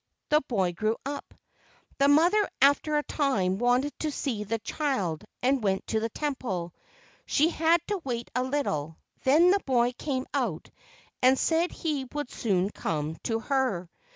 The boy grew up. The mother after a time wanted to see the child, and went to the temple. She had to wait a little, then the boy came out and said he would soon come to her.